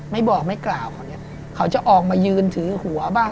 ไม่บอกไม่กล่าวเขาเนี่ยเขาจะออกมายืนถือหัวบ้าง